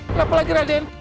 kenapa lagi raden